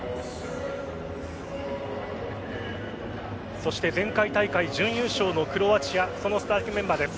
そして前回大会準優勝のクロアチアそのスターティングメンバーです。